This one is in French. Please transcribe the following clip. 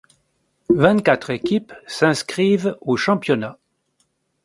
Vingt-quatre équipes s'inscrivent au championnat.